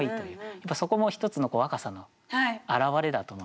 そこも一つの若さの表れだと思うんですね。